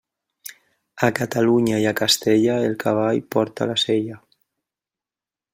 A Catalunya i a Castella, el cavall porta la sella.